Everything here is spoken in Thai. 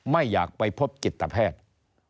ไม่อยากไปพบจิตแพทย์